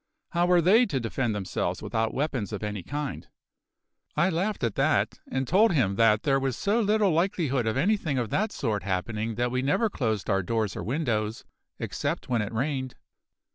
How were they to defend themselves without weapons of any kind? I laughed at that, and told him that there was so little likelihood of anything of that sort happening that we never closed our doors or windows, except when it rained.